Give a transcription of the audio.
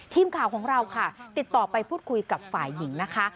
ทีมข่าวของเราค่ะติดต่อไปพูดคุยกับฝ่ายหญิงนะคะ